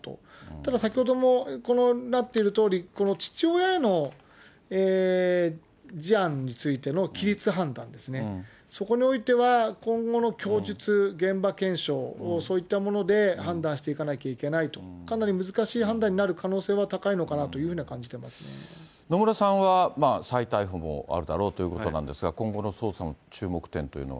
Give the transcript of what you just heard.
ただ先ほども、なっているとおり、この父親の事案についての擬律判断ですね、そこにおいては、今後の供述、現場検証、そういったもので判断していかなきゃいけないと、かなり難しい判断になる可能性は高いのかなというふうには感野村さんは再逮捕もあるだろうということなんですが、今後の捜査の注目点というのは。